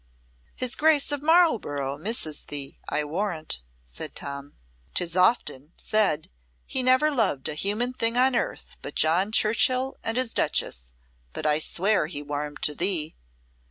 "His Grace of Marlborough misses thee, I warrant," said Tom. "'Tis often said he never loved a human thing on earth but John Churchill and his Duchess, but I swear he warmed to thee."